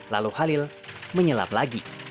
lalu khalil menyelam lagi